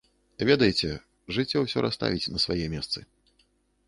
Ведаеце, жыццё ўсё расставіць на свае месцы.